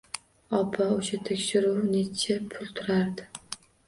Obbo, o`sha tekshiruv necha pul turardi